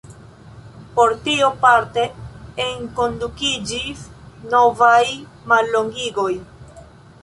Por tio parte enkondukiĝis novaj mallongigoj.